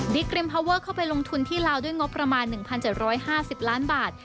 กริมพาวเวอร์เข้าไปลงทุนที่ลาวด้วยงบประมาณ๑๗๕๐ล้านบาท